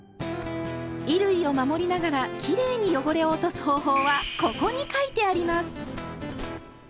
衣類を守りながらきれいに汚れを落とす方法は「ここ」に書いてあります！